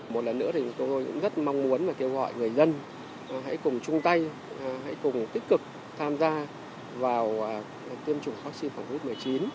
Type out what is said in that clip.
một lần nữa thì chúng tôi cũng rất mong muốn và kêu gọi người dân hãy cùng chung tay hãy cùng tích cực tham gia vào tiêm chủng vaccine phòng covid một mươi chín